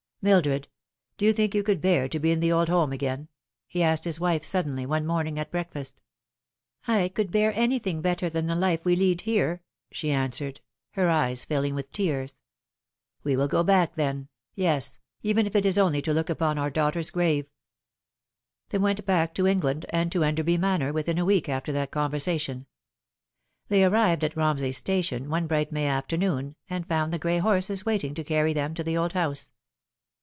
" Mildred, do you think you could bear to be in the old home again ?" he asked his wife suddenly, one morning at breakfast. " I could bear anything better than the life we lead here," she answered, her eyes filling with tears. " We will go back, then yes, even if it is only to look upon our daughter's grave." They went back to England and to Enderby Manor within a week after that conversation. They arrived at Romsey Station one bright May afternoon, and found the gray horses waiting to carry them to the old house.